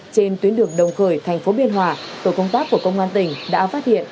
trên tuyến đường đồng khởi tp biên hòa tổ công tác của công an tỉnh đã phát hiện